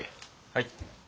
はい。